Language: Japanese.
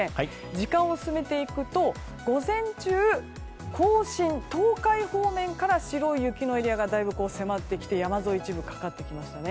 時間を進めていくと午前中甲信、東海方面から白い雪のエリアがだいぶ迫ってきて山沿いに一部かかってきましたね。